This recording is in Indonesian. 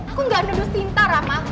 aku gak nuduh sinta rama